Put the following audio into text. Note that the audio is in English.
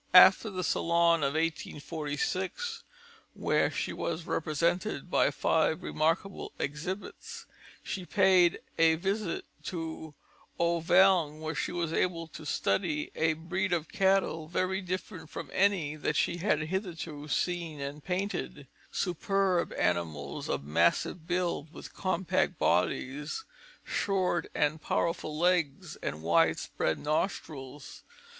After the Salon of 1846, where she was represented by five remarkable exhibits, she paid a visit to Auvergne, where she was able to study a breed of cattle very different from any that she had hitherto seen and painted: superb animals of massive build, with compact bodies, short and powerful legs, and wide spread nostrils.